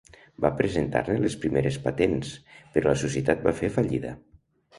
Va presentar-ne les primeres patents, però la societat va fer fallida.